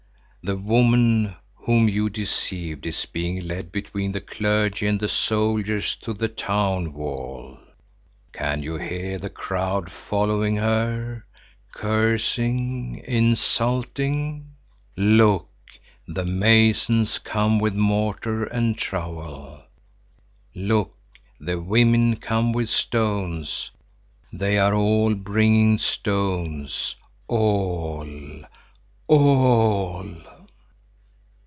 The woman whom you deceived is being led between the clergy and the soldiers to the town wall. Can you hear the crowd following her, cursing, insulting? Look, the masons come with mortar and trowel! Look, the women come with stones! They are all bringing stones, all, all!